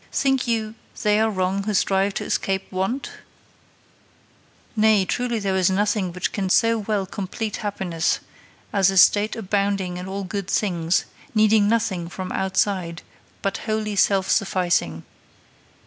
Think you they are wrong who strive to escape want? Nay, truly there is nothing which can so well complete happiness as a state abounding in all good things, needing nothing from outside, but wholly self sufficing.